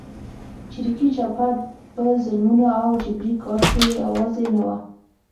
چریکي جبهه په ظلمونو او جبري کار کې یوازې نه وه.